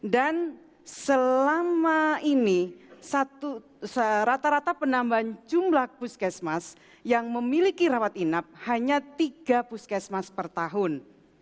dan selama ini rata rata penambahan jumlah puskesmas yang memiliki rawat inap hanya tiga puskesmas per tahun